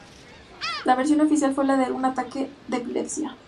La versión oficial fue la de un ataque de epilepsia.